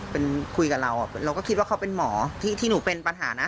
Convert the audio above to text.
เป็นคุยกับเราเราก็คิดว่าเขาเป็นหมอที่หนูเป็นปัญหานะ